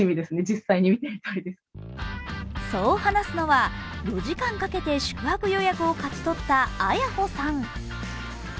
そう話すのは４時間かけて宿泊予約を勝ち取ったＡｙａｈｏさん。